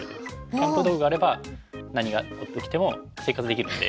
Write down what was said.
キャンプ道具があれば何が起きても生活できるんで。